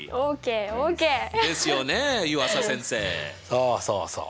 そうそうそう。